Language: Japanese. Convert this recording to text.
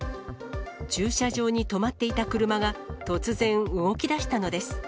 駐車場に止まっていた車が突然、動きだしたのです。